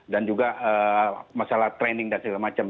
dan juga masalah training dan segala macam